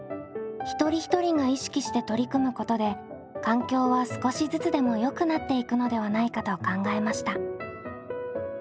一人一人が意識して取り組むことで環境は少しずつでもよくなっていくのではないかと考えました。